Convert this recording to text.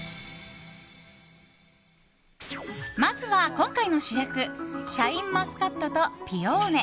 まずは今回の主役シャインマスカットとピオーネ。